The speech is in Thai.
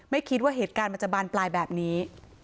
ไม่คิดว่าเหตุการณ์มันจะบานปลายแบบนี้